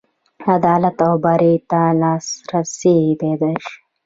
عدالت او برابرۍ ته لاسرسی پیدا شي.